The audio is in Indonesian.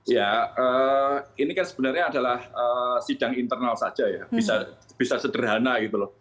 ya ini kan sebenarnya adalah sidang internal saja ya bisa sederhana gitu loh